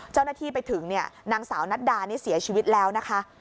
เจ้าหน้าที่ไปถึงเนี่ยนางสาวนัดดานี่เสียชีวิตแล้วนะคะ